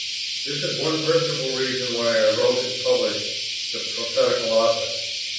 This is one principal reason why I wrote and published the "Prophetical Office."